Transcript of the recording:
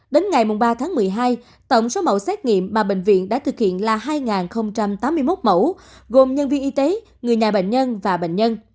đến ngày ba tháng một mươi hai tổng số mẫu xét nghiệm mà bệnh viện đã thực hiện là hai tám mươi một mẫu gồm nhân viên y tế người nhà bệnh nhân và bệnh nhân